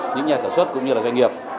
những nhà sản xuất cũng như là doanh nghiệp